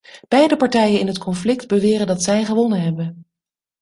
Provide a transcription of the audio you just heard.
Beide partijen in het conflict beweren dat zij gewonnen hebben.